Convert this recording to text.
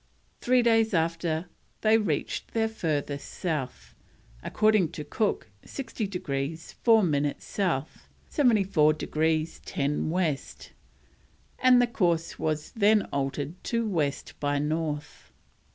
Three days after they reached their furthest south, according to Cook 60 degrees 4 minutes South, 74 degrees 10 West, and the course was then altered to West by North.